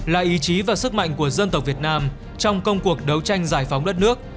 là ý chí và sức mạnh của dân tộc việt nam trong công cuộc đấu tranh giải phóng đất nước